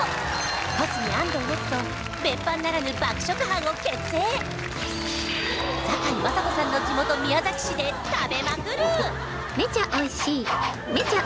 小杉安藤なつと別班ならぬ爆食班を結成堺雅人さんの地元宮崎市で食べまくる！